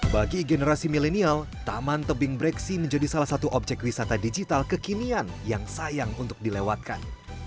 bagi generasi milenial taman tebing breksi menjadi salah satu objek wisata digital kekinian yang sayang untuk dilewatkan